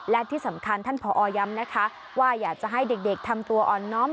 และที่สำคัญท่านผอย้ำนะคะว่าอยากจะให้เด็กทำตัวอ่อนน้อม